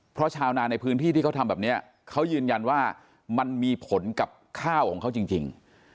เพราะชาวนาในพื้นที่ที่เขาทำแบบนี้เขายืนยันว่ามันมีผลกับข้าวของเขาจริง